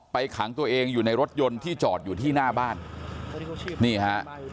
ขังตัวเองอยู่ในรถยนต์ที่จอดอยู่ที่หน้าบ้านนี่ฮะ